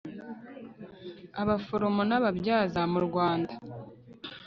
abaforomo n ababyaza mu rwanda